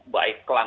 baik klan lama